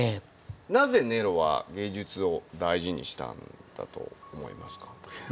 なぜネロは芸術を大事にしたんだと思いますか？